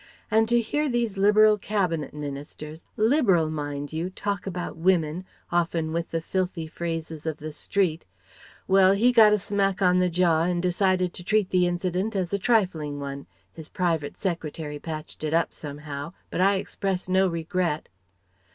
And to hear these Liberal Cabinet Ministers Liberal, mind you talk about women, often with the filthy phrases of the street Well: he got a smack on the jaw and decided to treat the incident as a trifling one ... his private secretary patched it up somehow, but I expressed no regret....